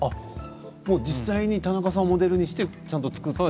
実際に田中さんをモデルにして作った。